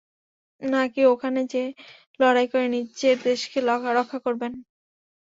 না কি ওখানে যেয়ে লড়াই করে নিজের দেশকে রক্ষা করবেন?